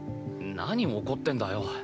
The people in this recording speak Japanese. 何怒ってんだよ。